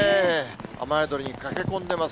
雨宿りに駆け込んでいます。